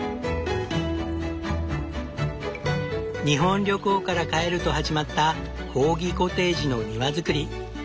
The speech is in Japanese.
日本旅行から帰ると始まったコーギコテージの庭造り。